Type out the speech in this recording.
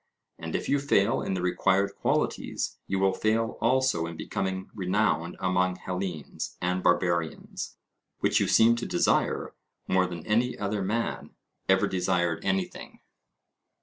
And if you fail in the required qualities, you will fail also in becoming renowned among Hellenes and Barbarians, which you seem to desire more than any other man ever desired anything.